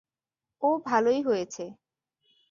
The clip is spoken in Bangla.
ও ভালোই হয়েছে।